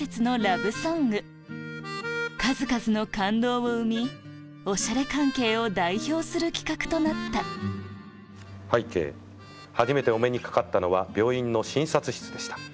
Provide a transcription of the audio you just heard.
数々の感動を生み『おしゃれカンケイ』を代表する企画となった「拝啓初めてお目にかかったのは病院の診察室でした。